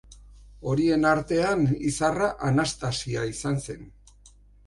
Horien artean izarra Anastasia izan zen.